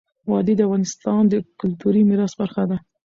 وادي د افغانستان د کلتوري میراث برخه ده.